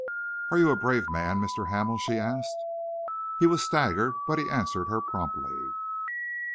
"Are you a brave man, Mr. Hamel?" she asked. He was staggered but he answered her promptly.